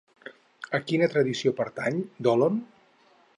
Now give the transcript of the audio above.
A quina tradició pertany Dolon?